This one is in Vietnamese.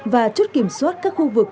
và chút kiểm soát các khu vực